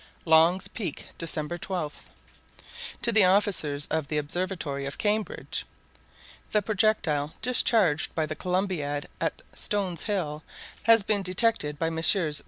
LONG'S PEAK, December 12. To the Officers of the Observatory of Cambridge. The projectile discharged by the Columbiad at Stones Hill has been detected by Messrs.